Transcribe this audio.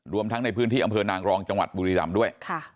รวมทั้งในพื้นที่อำเภอนางรองจังหวัดบุรีรำด้วย